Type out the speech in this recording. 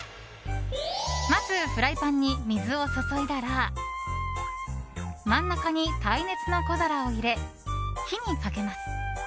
まず、フライパンに水を注いだら真ん中に耐熱の小皿を入れ火にかけます。